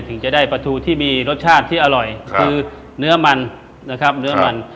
ที่จะได้ปลาทูที่มีรสชาติที่อร่อยเรื้อมัน